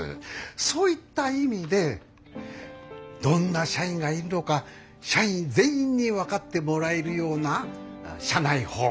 そういった意味でどんな社員がいるのか社員全員に分かってもらえるような社内報。